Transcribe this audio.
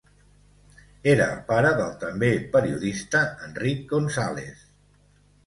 Era el pare del també periodista Enric González.